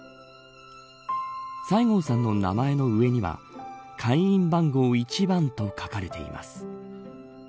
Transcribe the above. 西郷さんの名前の上には会員番号１番と書かれています。